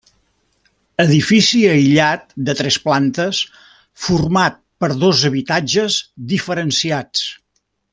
Edifici aïllat de tres plantes format per dos habitatges diferenciats.